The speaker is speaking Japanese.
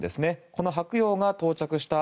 この「はくよう」が到着した